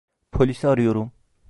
Polisi arıyorum.